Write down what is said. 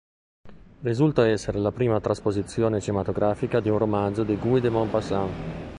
Risulta essere la prima trasposizione cinematografica di un romanzo di Guy de Maupassant.